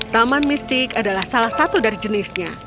taman mistik adalah salah satu dari jenisnya